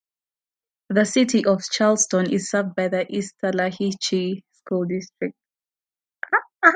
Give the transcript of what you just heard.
The City of Charleston is served by the East Tallahatchie School District.